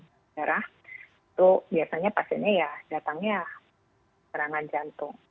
jadi biasanya pasiennya datangnya serangan jantung